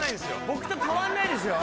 僕と変わんないですよ